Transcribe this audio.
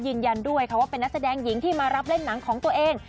ยืนยันด้วยค่ะว่าเป็นนักแสดงหญิงที่มารับเล่นหนังของตัวเอง